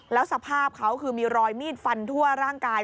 แล้วสภาพเขาคือมีรอยมีดฟันทั่วร่างกาย